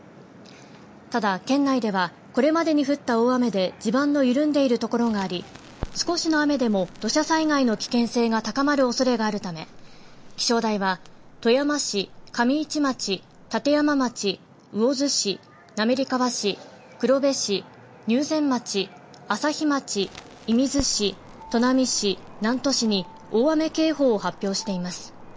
ただ県内ではこれまでに降った大雨で地盤の緩んでいるところがあり少しの雨でも土砂災害の危険性が高まるおそれがあるため気象台は富山市、上市町立山町、魚津市、滑川市黒部市、入善町、朝日町射水市、砺波市、南砺市に大雨警報を発表しています。